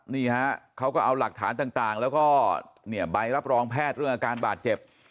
นี่ฮะเขาก็เอาหลักฐานต่างแล้วก็ใบรับรองแพทย์เรื่องอาการบาดเจ็บ